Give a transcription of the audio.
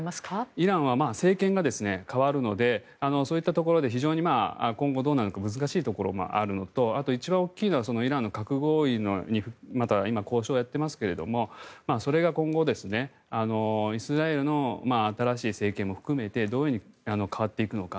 イランは政権が代わるのでそういったところで非常に今度どうなるか難しいところがあるのとあと、一番大きいのはイランの核合意のまた今、交渉をやっていますがそれが今後イスラエルの新しい政権も含めてどう変わっていくのか。